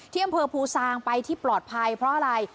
อำเภอภูซางไปที่ปลอดภัยเพราะอะไร